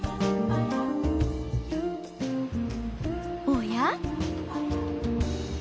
おや？